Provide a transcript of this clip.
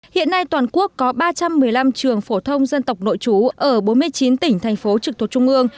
hiện nay toàn quốc có ba trăm một mươi năm trường phổ thông dân tộc nội trú ở bốn mươi chín tỉnh thành phố trực thuộc trung ương